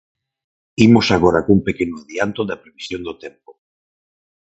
Imos agora cun pequeno adianto da previsión do tempo.